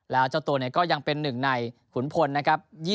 แล้วเจ้าตัวก็ยังเป็นหนึ่งในขุนพลนะครับ